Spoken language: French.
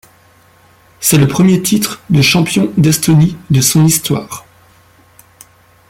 C'est le premier titre de champion d'Estonie de son histoire.